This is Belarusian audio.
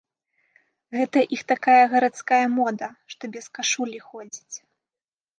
Гэта іх такая гарадская мода, што без кашулі ходзяць.